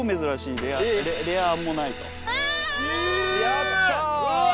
やった！